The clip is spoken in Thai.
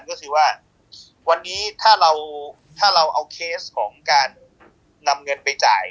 ก็คือว่าวันนี้ถ้าเราถ้าเราเอาเคสของการนำเงินไปจ่าย